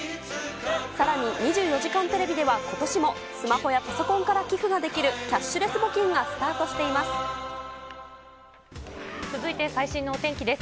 さらに、２４時間テレビでは、ことしも、スマホやパソコンから寄付ができるキャッシュレス募金がスタート続いて最新のお天気です。